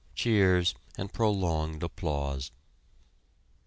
(Cheers and prolonged applause.)